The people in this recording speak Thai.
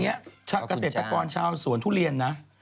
พี่ทุกวันกาเศรษฐกรชาวสวนทุเรียนนะ